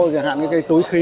chẳng hạn cái túi khí